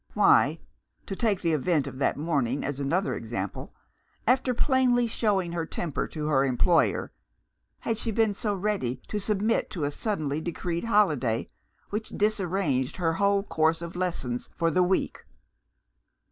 Why to take the event of that morning as another example after plainly showing her temper to her employer, had she been so ready to submit to a suddenly decreed holiday, which disarranged her whole course of lessons for the week?